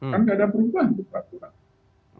kan tidak ada perubahan di peraturan